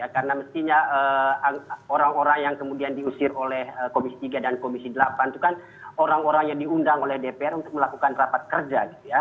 karena mestinya orang orang yang kemudian diusir oleh komisi tiga dan komisi delapan itu kan orang orang yang diundang oleh dpr untuk melakukan rapat kerja